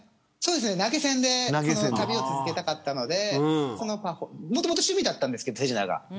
投げ銭で旅を続けたかったのでもともと、趣味だったんです手品が。